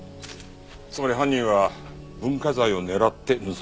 つまり犯人は文化財を狙って盗んだんだ。